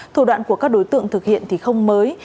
thủ đoạn của các đối tượng thực hiện thì không mới